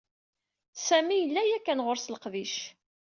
Sami yella yakan ɣeṛ-s leqdic.